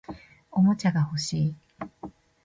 おもちゃが欲しい